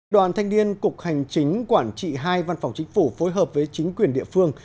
đoàn thanh niên cục hành chính quản trị hai văn phòng chính phủ phối hợp với chính quyền địa phương